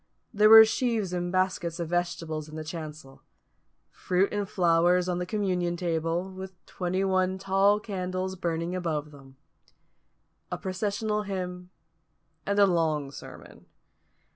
There were sheaves and baskets of vegetables in the chancel; fruit and flowers on the communion table, with twenty one tall candles burning above them; a processional hymn; and a long sermon.